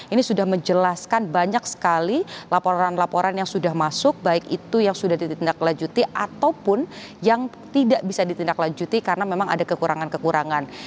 ini sudah menjelaskan banyak sekali laporan laporan yang sudah masuk baik itu yang sudah ditindaklanjuti ataupun yang tidak bisa ditindaklanjuti karena memang ada kekurangan kekurangan